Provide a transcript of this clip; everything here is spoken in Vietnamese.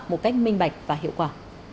một cách minh bạch và hiệu quả